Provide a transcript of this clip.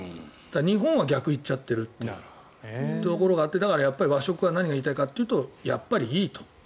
日本は逆に行っちゃってるというところがあって和食は何が言いたいかというとやっぱり、いいと。